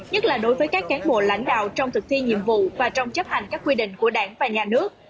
nhất là đối với các cán bộ lãnh đạo trong thực thi nhiệm vụ và trong chấp hành các quy định của đảng và nhà nước